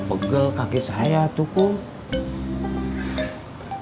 pegel kaki saya tuh kum